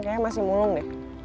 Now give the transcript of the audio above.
kayaknya masih mulung deh